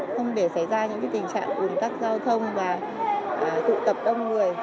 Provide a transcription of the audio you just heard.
không để xảy ra những tình trạng ủn tắc giao thông và tụ tập đông người